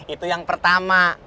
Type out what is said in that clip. itu yang pertama